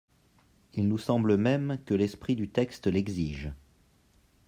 Il nous semble même que l’esprit du texte l’exige.